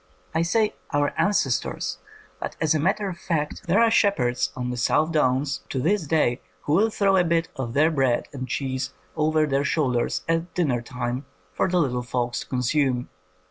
I say "our ancestors," but as a matter of fact 143 THE COMING OF THE FAIRIES there are shepherds on the South Downs to this day who will throw a bit of their bread and cheese over their shoulders at dinner time for the little folks to consume.